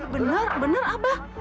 benar benar abah